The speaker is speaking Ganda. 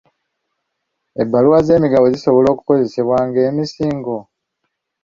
Ebbaluwa z'emigabo zisobola okukozesebwa ng'emisingo?